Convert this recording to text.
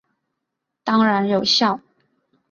当然有效！